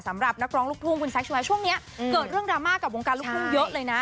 สำหรับนักร้องลูกภูมิคุณซักช่วงนี้เกิดเรื่องรามากกับวงการลูกภูมิเยอะเลยนะ